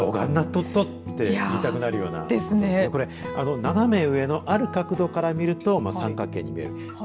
とっとと言いたくなるような斜め上のある角度から見ると三角形に見える。